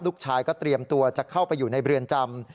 ลูกชายก็เตรียมตัวจะเข้าไปอยู่ในเรือนจำ